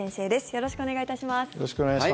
よろしくお願いします。